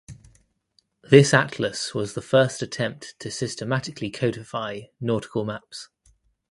This atlas was the first attempt to systematically codify nautical maps.